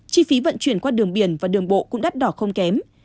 chi phí vận chuyển qua đường biển và đường bộ cũng đắt đỏ không kém